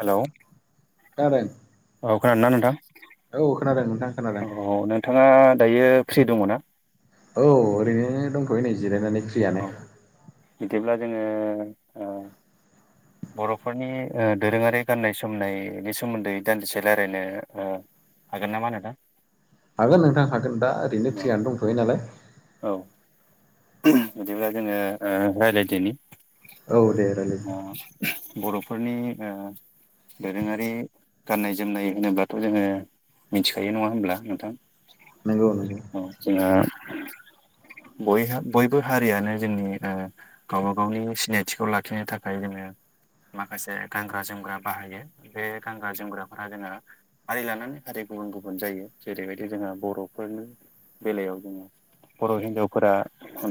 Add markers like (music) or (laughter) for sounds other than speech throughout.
Hello खोनादों औ खोनादोंना नोंथां? औ खोनादों नोंथां खोनादों औ नोंथाङा दायो फ्रि दङ ना? औ ओरैनो दंथ'यो नै जिरायनानै फ्रियानो औ बिदिब्ला जोङो ओ बर'फोरनि दोरोङारि गान्नाय जोमनायनि सोमोन्दै दान्दिसे रायलायनो ओ हागोन नामा नोंथां? हागोन नोंथां हागोन दा ओरैनो औ फ्रियानो दंथ'यो नालाय औ बिदिब्ला जोङो ओ रायलायदनि औ दे रायलाय बर'फोरनि ओ दोरोङारि गाननाय जोमनाय होनोब्लाथ' जोङो मिथिखायो नङा होनब्ला नोंथां? नंगौ नंगौ औ जोंङा बयहा बयबो हारियानो जोंनि ओ गावबा-गावनि सिनायथिखौ लाखिनो थाखाय माखासे गानग्रा-जोमग्रा बाहायो बे गानग्रा जोमग्राफोरा जोङो हारि लानानै हारि गुबुन-गुबुन जायगायाव जेरैबायदि जोंहा बर'फोरनि बेलायाव जोङो बर' हिनजाव फोरा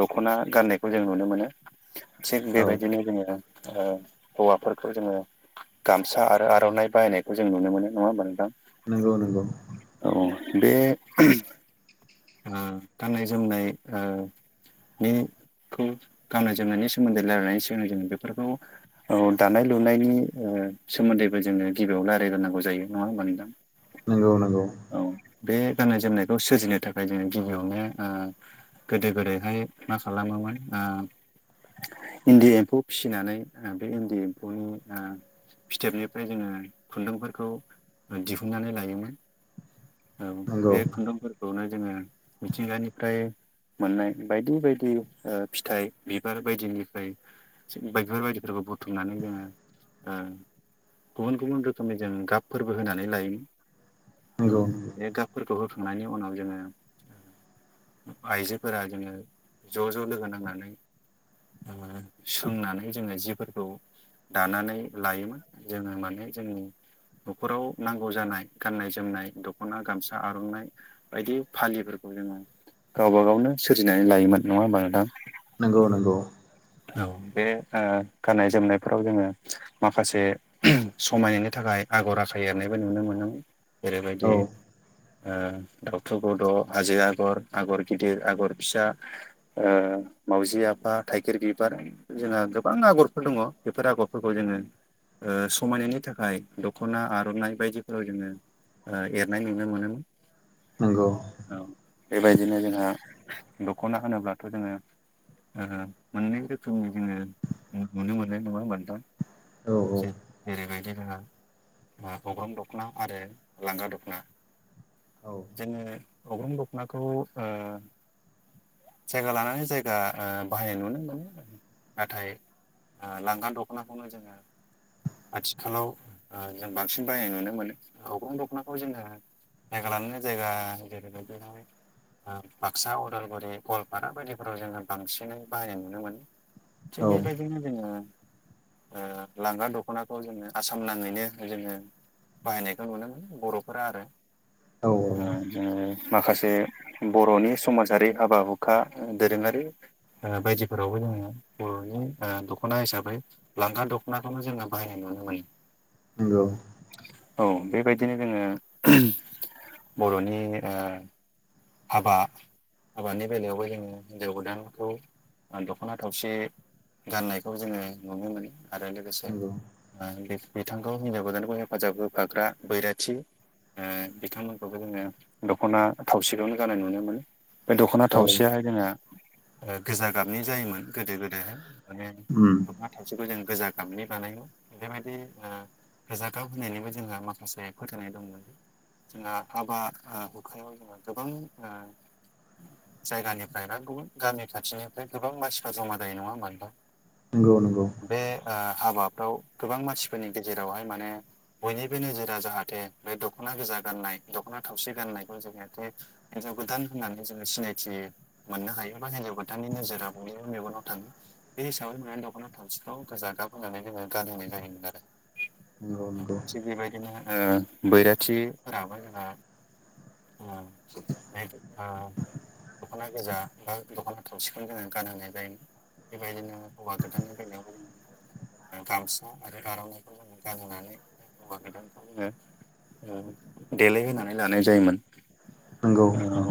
दख'ना गाननायखौ जों नुनो मोनो थिग औ बेबायदिनो जोङो ओ हौवाफोरखौ जोङो गामसा आरो आर'नाइ बाहायनायखौ जों नुनो मोनो नङा होमबा नोंथा नंगौ नंगौ औ बे ओ गाननाय-जोमनाय ओ बेखौ गाननाय जोमनायनि सोमोन्दै रायलायनायनि सिगां जोङो बेफोरखौ औ दानाय लुनायनि ओ सोमोन्दैबो जोङो गिबियाव रायज्लायग्रोनांगौ जायो नङा होमबा नोंथां? नंगौ नंगौ औ बे गाननाय जोमनायखौ सोरजिनो थाखा ओमफ्रायदि गिबियावनो ओ गोदो गोदायहाय मा खालामोमोन ओ इन्दि एम्फौ फिसिनानै बे इन्दि एम्फौनि ओ फिथोबनिफ्राय जोङो खुन्दुंफोरखौ दिहुननानै लायोमोन औ बे खुन्दुंफोरखौनो जोङो मिथिंगानिफ्राय मोननाय बायदि-बायदि फिथाइ बिबार बायदिनिफ्राय थिग बेफोरबायदिफोरखौ बुथुमनानै जोङो ओ गुबुन गुबुन रोखोमनि जोंङो गाब फोरबो होनानै लायोमोन ओ नंगौ नंगौ बे गाबफोरखौ होखांनायनि उनाव जोङो आइजोफोरा जोङो ज' ज' लोगो नांनानै सोंनानै जोङो जिफोरखौ दानानै लायोमोन जोङो माने जोंनि न'खराव नांगौ जानाय गाननाय जोमनाय दख'ना गामसा आर'नाइ बायदि फालिफोरखौ जोङो गावबा गावनो सोरजिनानै लायोमोन नङा होमबा नोंथां? नंगौ नंगौ औ बे गाननाय जोमनायफोराव जोङो माखासे (inaudible) समायनायनि थाखाय आगर आखाइ एरनायबो नुनो मोनो। जेरैबायदि औ ओ दाउथु बड' हाजै आगर आगर गिदिर आगर फिसा ओ माउजि आफा थाइगेर बिबार जोंहा गोबां आगरफोर दङ बेफोर आगरफोरखौ जोङो समायनायनि थाखाय दख'ना आर'नाइ बायदिफोराव जोङो ओ एरनाय नुनो मोनोमोन नंगौ औ बेबायदिनो जोंहा दख'ना होनोब्लाथ' जोङो मोननै रोखोमनि जोङो नुनो मोननाय नङा होमब दा औ ज जेरैबायदि जोंहा अग्राम दख'ना आरो लांगा दख'ना औ जोङो अग्रं दखनाखौ ओ जायगा लानानै जायगा बाहायनाय नुनो मोनो आरो। नाथाय लांगा दख'नाखौनो जोङो आथिखालाव जों बांसिन बायनाय नुनो मोनो। अग्रं दख'नाखौ जोङो जायगा लानानै जायगा (inaudible) बाक्सा उदालगुरि गवालपारा बायदिफोराव जोङो बांसिनै बाहायनाय नुनो मोनो। थिक औ बे बायदिनो जोङो लांगा दख'नाखौ जोङो आसाम नाङैनो जोङो बाहायनायखौ नुनो मोनो बर'फोरा आरो। औ ओ औ माखासे बर'नि समाजारि हाबा हुखा दोरोङारि बायदिफोरावबो जोङो बर'नि दख'ना हिसाबै लांगा दख'नाखौनो जोङो बाहायनाय नुनो मोनो। नंगौ औ बेबायदिनो जोङो बर'नि ओ हाबा हाबानि बेलायावबो जोङो हिन्जाव गोदानखौ दख'ना थावसि गाननायखौ जोङो नुनो मोनो आरो लोगोसे नंगौ बिथांखौ हिनजाव गोदानखौ हेफाजाब होफाग्रा बैराथि बिथांमोनखौबो जोङो दख'ना थावसिलावनो जानाय नुनो मोनो बे दख'ना औ थावसेयााय जोंना गोजा गाबनि जायोमोन गोदो गोदायहाय माने उम ना थाबसेखौ जों गोजा गाबनि बानायांगौ बेफोरबायदि ओ रजागाव होननिबो जोंहा माखासे फोथायनाय दंमोन आ हाबा ओ गोबां ओ जायगानिफ्राय बा गुबुन गामि खाथिनिफ्राय गोबां मानसिफ्रा जमा जायो नङा होमबा नोंथां? नंगौ नंगौ बे ओ हाबाफ्राव गोबां मानसिफोरनि गेजेरावहाय माने बयनिबो नोजोरा जाहाथे बे दख'ना गोजा गाननाय दख'ना थावसि गाननायखौ जेहाथे हिनजाव गोदान होननानै जोङो सिनायथियो। मोननो हायो बा हिनजाव गोदाननि नोजोरा बयनिबो मेगनाव थाङो बे हिसाबै माने दख'ना थामसिखौ गोजा गाब होनानै जोङो गानहोनाय जायोमोन आरो। (unintelligible) थिग बेबायदिनो ओ बैराथिफोराबो जोंहा (unintelligible) (unintelligible) दख'ना गोजा बा दख'ना थावसिखौनो जोङो गानहोनाय जायो। बेबायदिनो हौवा गोदाननि बेलायावबो‌ गामसा आरो आर'नाइखौ जोङो गानहोनानै हौवा गोदानखौ जोङो (unintelligible) देलायहोनानै लानाय जायोमोन। नंगौ औ ओ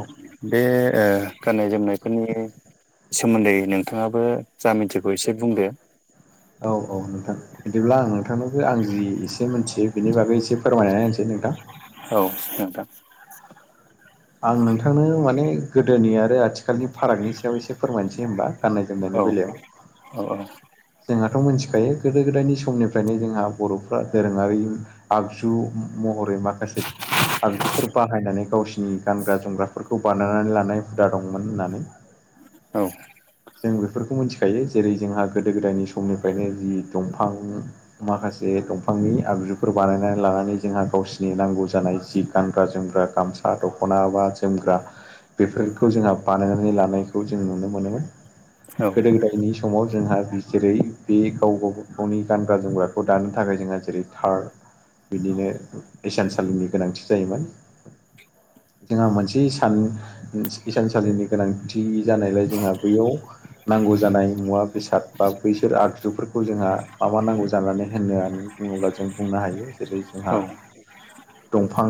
बे ओ गाननाय जोमनायफोरनि सोमोन्दै नोंथाङाबो जा मिथिगौ एसे बुंदो औ औ नोंथां बिदिब्ला आं नोंथांनोबो आं जि एसे मोनथियो बिनि बागै एसे फोरमायनानै होनोसै नोंथां। औ नोंथां। आं नोंथांनो माने गोदोनि आरो आथिखालनि फारागनि सायाव एसे फोरमायसै होनबा गाननाय जोमनायनि बेलायाव अ जोंहाथ' मोनथिखायो गोदो गोदायनि समनिफ्रायनो जोंहा बर'फ्रा दोरोङारि आगजु महरै माखासे आगजुफोर बाहायनानै गावसिनि गानग्रा जोमग्राफोर खौ बानायनानै लानाय हुदा दंमोन होननानै औ जों बेफोरखौ मोनथिखायो जेरै जोंहा गोदो गोदायनि समनिफ्रायनो जि दंफां माखासे दंफांनि आगजुफोर बानायनानै लानानै जोंहा गावसिनि नांगौ जानाय जि गानग्रा जोमग्रा गामसा दख'ना बा जोमग्रा बेफोरखौ जोंहा बानायनानै लानायखौ जों नुनो मोनोमोन। औ गोदो गोदायनि समाव जोंहा जेरै बे गाव-गावबा गावनि गानग्रा जोमग्राखौ दानो थाखाय जोंहा जेरै थार बिदिनो इसानसालिनि गोनांथि जायोमोन। जोंहा मोनसे सान‌ इसानसालिनि गोनांथि जानायलाय जोंहा बैयाव नांगौ जानाय मुवा बेसाद बा बैसोर आगजुफोरखौ जोंहा माबा नांगौ जानानै होनो (unintelligible) बुङोब्ला जों बुंनो हायो जेरै जोंहा दंफां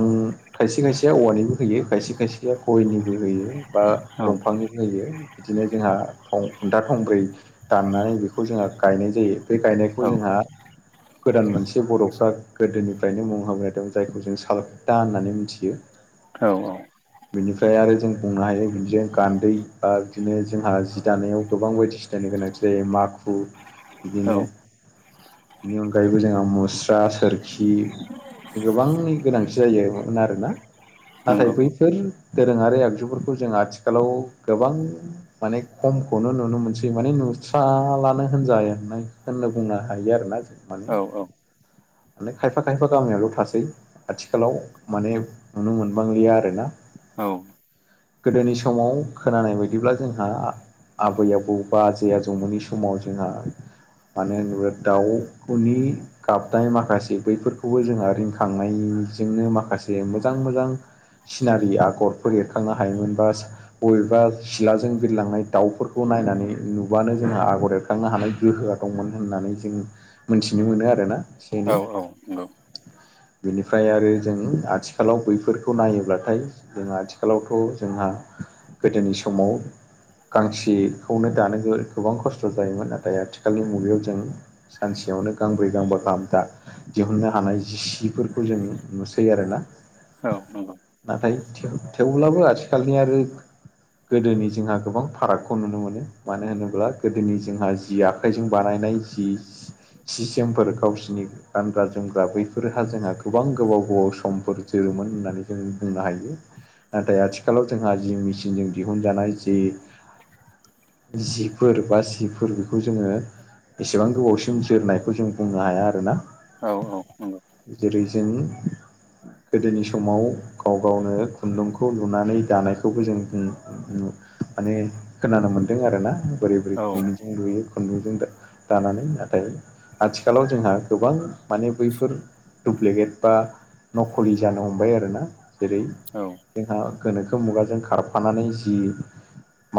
खायसे-खायसेया औवानिबो होयो खायसे खायसेया गयनिबो होयो बा दंफांनि होयो बिदिनो जोंहां थं खुन्था थंब्रै दाननानै बेखौ जोंहा गायनाय जायो। दै गायनायखौ औ जोंहा गोदान मोनसे बर'फ्रा गोदोनिफ्रायनो मुं होबोदों जायखौ जों साल ता होननानै मिथियो औ औ बिनिफ्राय आरो जों बुंनो हायो बिदिनो गान्दै बा बिदिनो जोंहा जि दानायाव गोबां बायदिसि जायनो गोनांथि जायो माखु औ बिदिनो बिनि अनगायैबो जोंहा मुस्रा सोरखि गोबांनि गोनांथि जायो मोन आरोना नाथाय नंगौ बैफोर दोरोङारि आगजुफोरखौ जों आथिखालाव गोबां माने खमखौनो नुनो मोनसै माने नुस्राला नो होनजानाय होननो बुंनो हायो आरोना जों माने औ औ माने खायफा-खायफा गामियावल' थासै आथिखालाव माने नुनो मोनबांलिया आरोना। औ गोदोनि समाव खोनानाय बायदिब्ला जोंहा आबै आबौ बा आजै आजौमोननि समाव जोंहा मानो होनोब्ला दाउखौनि गाबनाय माखासे बैफोरखौबो जोंहा रिंखांनायजोंनो माखासे मोजां मोजां सिनारि आगरफोर एरखांनो हायोमोन बा बबेबा सिलाजों बिरलांनाय दाउफोरखौ नायनानै नुबानो जोंहा आ आगर एरखांनो हानाय गोहोआ दंमोन होननानै जों मोनथिनो मोनो आरोना। औ औ नंगौ बिनिफ्राय आरो जों आथिखालाव बैफोरखौ नायोब्लाथाय जों आथिखालावथ' जोंहा गोदोनि समाव गांसेखौनो दानो गोबां खस्थ' खस्थ' जायोमोन नाथाय आथिखालनि मुगायाव जों सानसेयावनो गांब्रै गांबा गाहाम दा दिहुननो हानाय जि सिफोरखौ जों नुसै आरो ना औ नंगौ नाथाय थेवब्लाबो आथिखालनिया आरो गोदोनि जोंहा गोबां फारागखौ नुनो मोनो मानो होनोब्ला गोदोनि जोंहा जि आखाइजों बानायनाय जि सि जोमफोर गावसोरनि गानग्रा जोमग्रा बैफोरहा जोंहा गोबां गोबाव गोबाव समफोर जोरोमोन होननानै जों बुंनो हायो। नाथाय आथिखालाव जोंहा जि मेसिनजों दिहुनजानाय जि जि फोर बा सिफोर बेखौ जोङो एसेबां गोबावसिम जोरनायखौ जों बुंनो हाया आरोना औ औ नंगौ जेरै जों गोदोनि समाव गाव गावनो खुन्दुंखौ लुनानै दानायखौबो जों बुं माने खोनानो मोन्दों आरोना बोरै बोरै औ खुनदुंजों लुयो। खुन्दुंजों दानानै नाथाय आथिखालाव जोंहा गोबां माने बैफोर दुप्लिकेट बा नखलि जानो हमबाय आरो ना जेरै औ जोंहा गोनोखो मुगाजों खारफानानै जि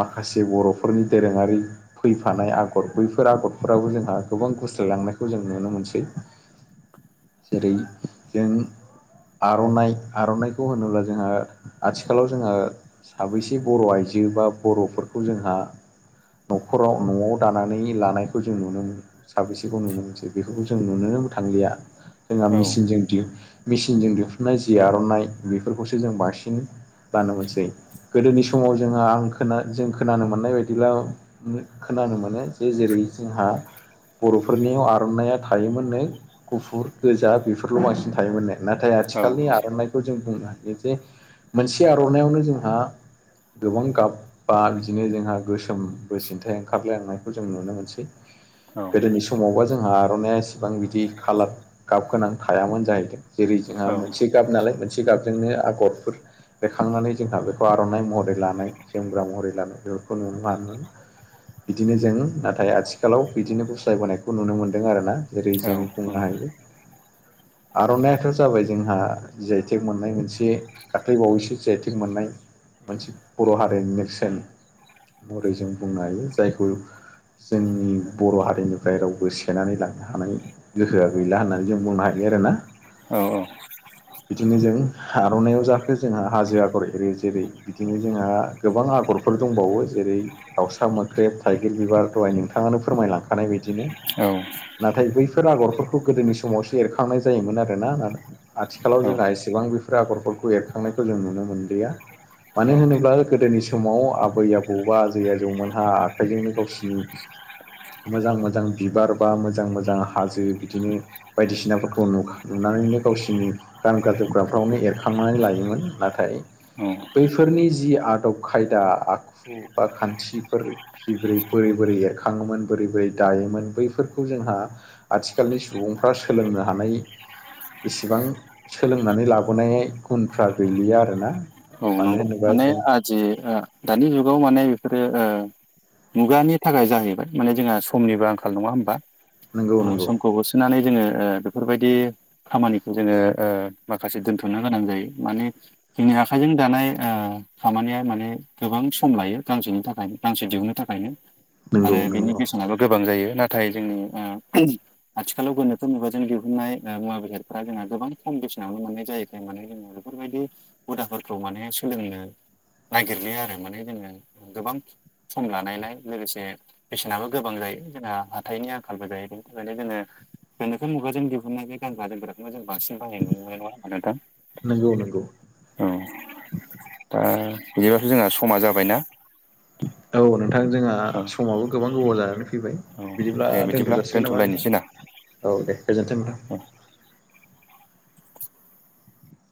माखासे बर'फोरनि दोरों ङारि फैफानाय आगर बैफोर आगरफोरावबो जोंहा गोबां गुस्लायलांनायखौ जों नुनो मोनसै। जेरै जों आर'नाइ आर'नाइखौ होनोब्ला जोंहा आथिखालाव जोंहा साबैसे बर' आइजो बा बर'फोरखौ जोंहा न'खराव न'आव दानानै लानायखौ जों नुनो मोनो। साबेसेखौ नुनो मोनसै बेखौबो जों नुनोनो थांलिया जोंहा औ मेचिनजों दि मेसिनजों दिहुननाय जि आर'नाइ बेफोरखौसो जों बांसिन लानो मोनसै गोदोनि समाव जोंहा आं खोना जों खोनानो मोननाय बायदिब्ला खोनानो मोनो जे जेरै जोंहा बर'फोरनियाव आर'नाइया थायोमोन नों गुफुर गोजा बेफोरल' बांसिन थायोमोननो। नाथाय औ आथिखालनि आर'नाइखौ जों बुंनो हायो जे मोनसे आर'नाइआवनो जोंहा गोबां गाब बा बिदिनो जोंहा गोसोम बो सिन्थाय ओंखारलायलांनायखौ जों नुनो मोनसै। गोदोनि समावबा जोंहा आर'नाइया एसेबां बिदि खालार गाब गोनां थायामोन जाहैदों। जेरै जोंहा मोनसे गाब नालाय मोनसे गाबजोंनो आगरफोर बेखांनानै जोंहा बेखौ आर'नाइ महरै लानाय जोमग्रा महरै लानाय बेफोरखौ नुनो मोनामोन। बिदिनो जों नाथाय आथिखालाव बिदिनो बुस्लायबोनायखौ नुनो मोन्दों आर ना जेरै जों बुंनो हायो। आर'नाइआथ जाबाय जोंहा जि आइ थेक मोननाय मोनसे दाख्लै बावैसो जि आइ थेक मोननाय मोनसे बर' हारिनि नेरसोन। मरै जों बुंनो हायो जायखौ जोंनि बर' हारिनिफ्राय रावबो सेननानै लानो हानाय गोहोआ गैला होननानै जों बुंनो हायो आरोना बिदिनो जों आर'नाइआव जाखो जोंहा हाजो आगर एरि जेरै बिदिनो जोंहा गोबां आगरफोर दंबावो जेरै दाउसा मोख्रेब थाइगिर बिबार दहाय नोंथाङानो फोरमायलांखानाय बायदिनो औ नाथाय बैफोर आगरफोरखौ गोदोनि समावसो एरखांनाय जायोमोन आरो ना। औ आथिखालाव जोंहा एसेबां बेफोर आगरफोरखौ एरखांनायखौ जों नुनो मोनलिया। मानो होनोब्ला गोदोनि समाव आबै आबौबा दै आ जौमोनहा आखाइजोंनो गावसिनि मोजां मोजां बिबार बा मोजां मोजां हाजो बिदिनो बायदिसिनाफोरखौ नुनानैनो गावसिोरनि गानग्रा जोमग्राफ्रावनो एरखांनानै लायोमोन नाथाय औ बैफोरनि जि आदब खायदा आखु बा खान्थिफोर जि बोरै बोरै बोरै एरखाङोमोन बोरै बोरै दायोमोन बैफोरखौ जोंहा आथिखालनि सुबुंफ्रा सोलोंनो हानाय इसेबां सोलोंनानै लाबोनाय गुनफ्रा गैलिया आरोना। औ मानो नंगौ होनोबा माने जों आजि ओ दानि जुगाव माने बेफोरो ओ मुगानि थाखाय जाहैबाय माने जोंहा समनिबो आंखाल नङा होमबा नंगौ अ नंगौ समखौबो सुनानै जोङो ओ बेफोरबायदि खामानिखौ जोङो ओ माखासे दोनथ'नो गोनां जायो मानेनि आखाइजों दानाय ओ खामानिया माने गोबां सम लायो गांसेनि थाखायनो गांसे दिहुननो थाखायनो आरो नंगौ बिनि बेसेनाबो गोबां जायो नाथाय ओ जोंनि आथिखालाव गोनोथो मुुबाजों दिहुननाय मुवा बेसादफोरा जोंहा गोबां खम बेसेनावनो मोननाय जायैखाय माने जों बेफोरबायदि हुदाफोरखौ माने सोलोंनो नागिरलयो आरो माने जोङो गोबां सम लानायलाय लोगोसे बेसेनाबो गोबां जायो जोंहा हाथाइनि आंखालबो जायो बेनि थाखायनो जोङो बेनिखो मुगाजों दिहुननाय बे गानग्रा जोमग्राफोरखौखौ जों बांसिन बाहाय नुनो मोननाय नङा नोंथां। नंगौ नंगौ। औ दा बिदिब्लाथ' जोंना समा जाबायना? औ नोंथां जोंहा औ समाबो गोबां गोबाव जानानै फैबाय। औ बिदिब्ला दे दोनथ' जाासिगोन नामा (unintelligible) दोनथ'लायनोसै ना औ दे गोजोन्थों नोंथां।